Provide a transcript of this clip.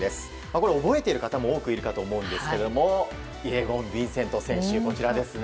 これ、覚えている方も多くいるかと思うんですがイェゴン・ヴィンセント選手。